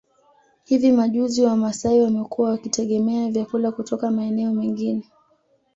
Hivi majuzi wamasai wamekuwa wakitegemea vyakula kutoka maeneo mengine